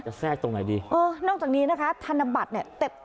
แทรกตรงไหนดีเออนอกจากนี้นะคะธนบัตรเนี่ยเต็ม